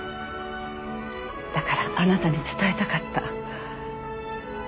だからあなたに伝えたかった。